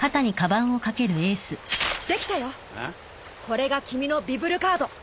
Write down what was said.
これが君のビブルカード。